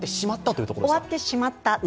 終わってしまった。